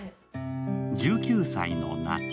１９歳の夏。